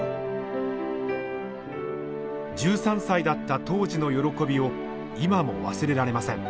１３歳だった当時の喜びを今も忘れられません。